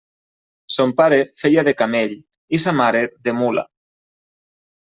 Son pare feia de camell i sa mare de mula.